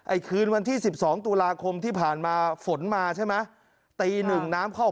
คืนวันที่๑๒ตุลาคมที่ผ่านมาฝนมาใช่ไหมตีหนึ่งน้ำเข้า